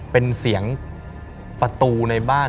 เป็นเสียงประตูในบ้าน